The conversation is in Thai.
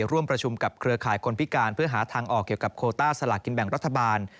ร่วมประชุมกับเครือข่ายคนพิการเพื่อหาทางออกเกี่ยวกับโคต้าสลากกินแบ่งรัฐบาล